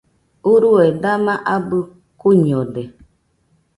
Urue dama abɨ kuiñode